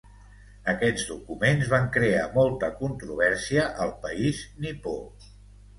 Aquests documents van crear molta controvèrsia al país nipó.